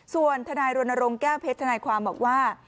ส่วนทนายรณรงค์แก้วเพชรทนายความบอกว่า